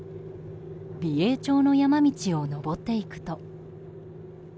美瑛町の山道を登っていくと。